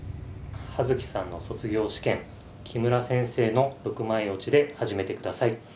葉月さんの卒業試験木村先生の６枚落ちで始めてください。